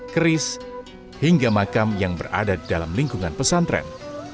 keris hingga makam yang berada dalam lingkungan pesantren